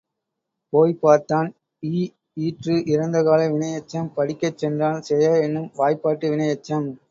போய்ப் பார்த்தான் ய் ஈற்று இறந்த கால வினையெச்சம், படிக்கச்சென்றான் செய என்னும் வாய்பாட்டு வினையெச்சம்.